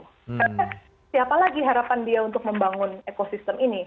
karena siapa lagi harapan dia untuk membangun ekosistem ini